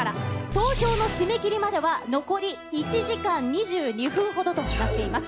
投票の締め切りまでは、残り１時間２２分ほどとなっています。